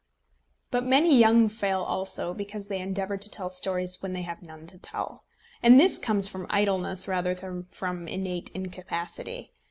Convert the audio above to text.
But many young fail also, because they endeavour to tell stories when they have none to tell. And this comes from idleness rather than from innate incapacity.